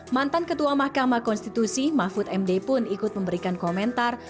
mantan ketua mahkamah konstitusi mahfud md pun ikut memberikan komentar